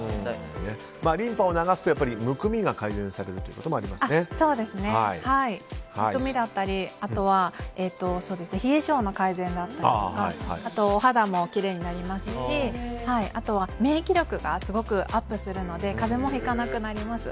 リンパを流すとむくみが改善されるということもむくみだったり冷え性の改善だったりとかあとはお肌もきれいになりますし免疫力がすごくアップするので風邪もひかなくなります。